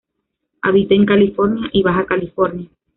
Habita en California y Baja California.